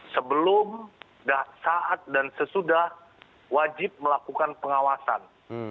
sebelum saat dan sesudah wajib melakukan pengawasan